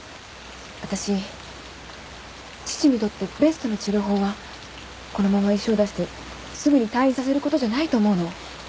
わたし父にとってのベストな治療法はこのまま石を出してすぐに退院させることじゃないと思うの。